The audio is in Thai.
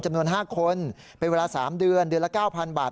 จำนวน๕คนเป็นเวลา๓เดือนเดือนละ๙๐๐บาท